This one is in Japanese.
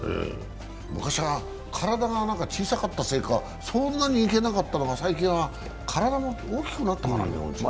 昔は体が小さかったせいかそんなにいけなかったのが最近は体が大きくなったからですかね？